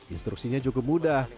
instruksinya cukup mudah